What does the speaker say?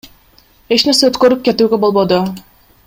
Эч нерсе өткөрүп кетүүгө болбоду.